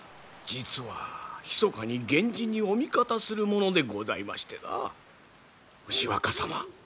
実はひそかに源氏にお味方する者でございましてな牛若様